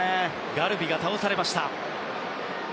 ガルビが倒されました。